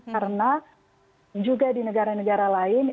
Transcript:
karena juga di negara negara lain